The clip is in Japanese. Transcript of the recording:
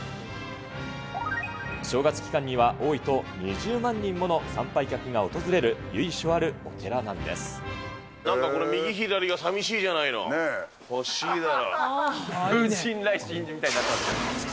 正月期間には、多いと２０万人もの参拝客が訪れる由緒あるお寺ななんかこれ、風神雷神みたいになってます。